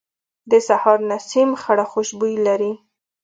د سهار نسیم خړه خوشبويي لري